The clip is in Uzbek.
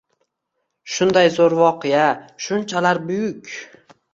Shunday zo’r voqea, shunchalar buyuk!